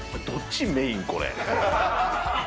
どっちメインこれ？